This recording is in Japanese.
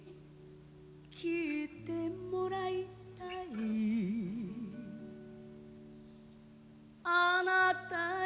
「聞いてもらいたい」